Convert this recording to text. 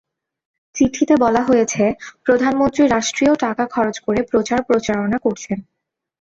চিঠিতে বলা হয়েছে, প্রধানমন্ত্রী রাষ্ট্রীয় টাকা খরচ করে প্রচার প্রচারণা করছেন।